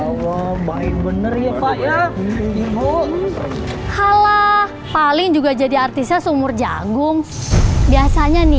allah baik bener ya pak ya ibu kalah paling juga jadi artisnya seumur jagung biasanya nih